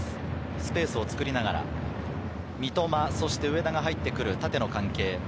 スペースを作りながら、三笘、そして上田が入ってくる縦の関係。